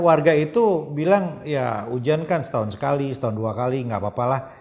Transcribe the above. warga itu bilang ya hujan kan setahun sekali setahun dua kali nggak apa apalah